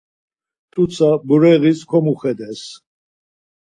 T̆utsa bureğis komuxedes.